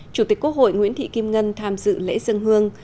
chủ tịch quốc hội nguyễn thị kim ngân tham dự lễ dân hương